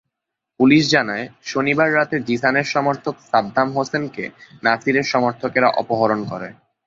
Police জানায়, শনিবার রাতে জিসানের সমর্থক সাদ্দাম হোসেনকে নাছিরের সমর্থকেরা অপহরণ করে।